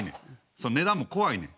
その値段も怖いねん。